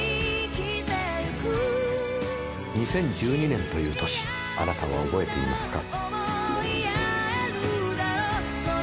２０１２年という年あなたは覚えていますか？